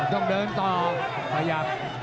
ต้องเดินต่อขยับ